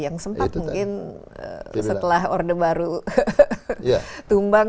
yang sempat mungkin setelah orde baru tumbang